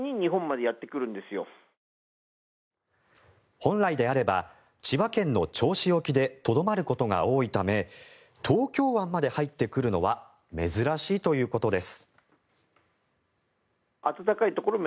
本来であれば千葉県の銚子沖でとどまることが多いため東京湾まで入ってくるのは珍しいということです。